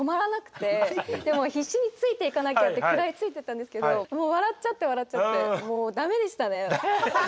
でも必死についていかなきゃって食らいついていったんですけどもう笑っちゃって笑っちゃってもう駄目でしたね。